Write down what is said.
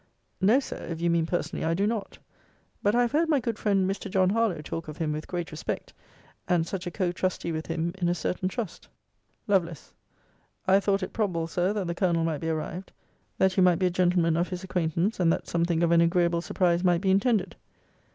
No, Sir. If you mean personally, I do not. But I have heard my good friend Mr. John Harlowe talk of him with great respect; and such a co trustee with him in a certain trust. Lovel. I thought it probable, Sir, that the Colonel might be arrived; that you might be a gentleman of his acquaintance; and that something of an agreeable surprise might be intended.